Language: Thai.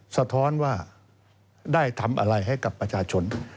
สะท้อนว่าได้ทำอะไรให้กับประชาชน